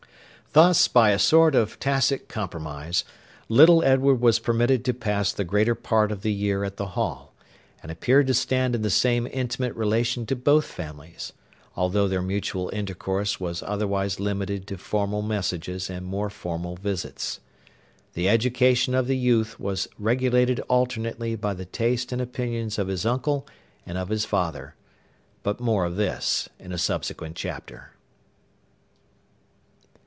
Thus, by a sort of tacit compromise, little Edward was permitted to pass the greater part of the year at the Hall, and appeared to stand in the same intimate relation to both families, although their mutual intercourse was otherwise limited to formal messages and more formal visits. The education of the youth was regulated alternately by the taste and opinions of his uncle and of his father. But more of this in a subsequent chapter.